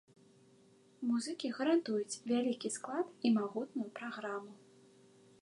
Музыкі гарантуюць вялікі склад і магутную праграму.